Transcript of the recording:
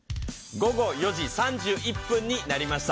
午後４時３１分になりました。